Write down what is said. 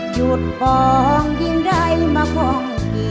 หยุดปองยิ่งได้มาคุณ